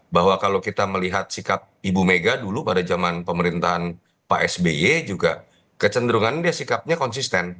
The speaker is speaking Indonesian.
bahwa kalau kita melihat sikap ibu mega dulu pada zaman pemerintahan pak sby juga kecenderungan dia sikapnya konsisten